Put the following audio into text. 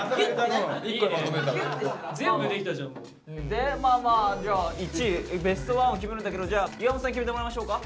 でまあまあじゃあ１位ベストワンを決めるんだけどじゃあ岩本さんに決めてもらいましょうか。